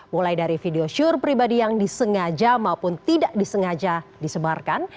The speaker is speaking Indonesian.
mulai dari video syur pribadi yang disengaja maupun tidak disengaja disebarkan